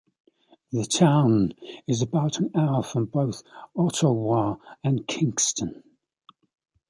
The town is about an hour from both Ottawa and Kingston.